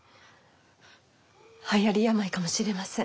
はやり病かもしれません。